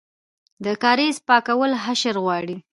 د کاریز پاکول حشر غواړي؟